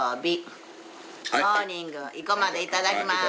モーニング生駒でいただきます。